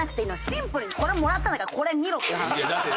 シンプルにこれもらったんだからこれ見ろっていう話ですよ。